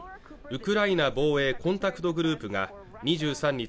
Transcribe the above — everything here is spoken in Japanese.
ウクライナ防衛コンタクトグループが２３日